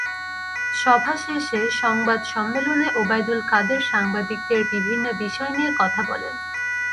সভা শেষে সংবাদ সম্মেলনে ওবায়দুল কাদের সাংবাদিকদের বিভিন্ন বিষয় নিয়ে কথা বলেন।